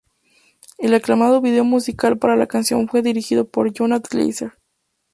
El aclamado video musical para la canción fue dirigido por Jonathan Glazer.